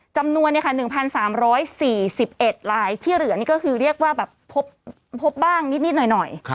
จำนวน๑๓๔๑ลายที่เหลือนี่ก็คือเรียกว่าแบบพบบ้างนิดหน่อย